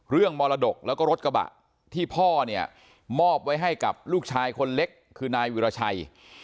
มรดกแล้วก็รถกระบะที่พ่อเนี่ยมอบไว้ให้กับลูกชายคนเล็กคือนายวิราชัย